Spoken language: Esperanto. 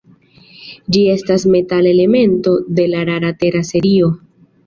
Ĝi estas metala elemento de la rara tera serio.